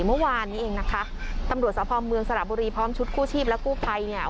เมื่อวานนี้เองนะคะตำรวจสภอมเมืองสระบุรีพร้อมชุดกู้ชีพและกู้ภัยเนี่ย